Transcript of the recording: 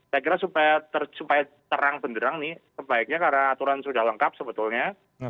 saya kira supaya terang benderang nih sebaiknya karena aturan sudah lengkap sebetulnya